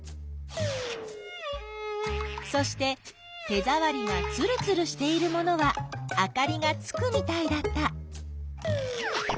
そして手ざわりがつるつるしているものはあかりがつくみたいだった。